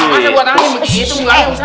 asal buat angin begitu enggak